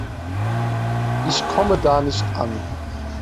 Ich komme da nicht an.